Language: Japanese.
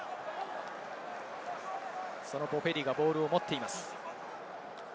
ボフェリがボールを持っています。